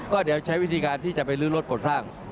ก็เดี๋ยวใช้วิธีการที่จะไปลื้อรถปลดข้าง